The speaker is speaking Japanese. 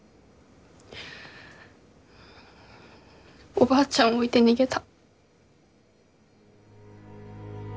おばあちゃんを置いて逃げた。